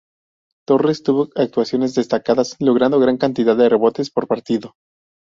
Torres tuvo actuaciones destacadas, logrando gran cantidad de rebotes por partido.